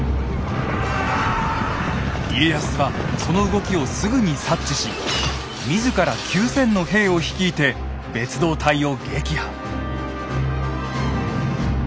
家康はその動きをすぐに察知し自ら９，０００の兵を率いて別動隊を撃破。